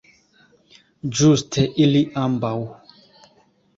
Ĝuste ili ambaŭ!